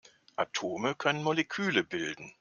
Atome können Moleküle bilden.